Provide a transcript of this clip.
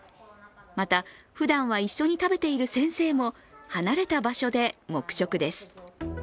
また、ふだんは一緒に食べている先生も離れた場所で黙食です。